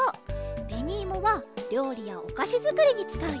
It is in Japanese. べにいもはりょうりやおかしづくりにつかうよ。